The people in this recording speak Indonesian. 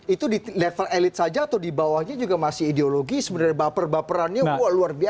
itu di level elit saja atau di bawahnya juga masih ideologi sebenarnya baper baperannya wah luar biasa